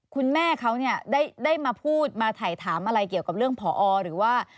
คุณแม่เขาเนี่ยได้มาพูดมาถ่ายถามอะไรเกี่ยวกับเรื่องผอหรือว่า